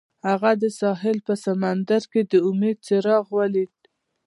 هغه د ساحل په سمندر کې د امید څراغ ولید.